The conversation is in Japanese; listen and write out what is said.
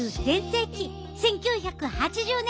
１９８０年代！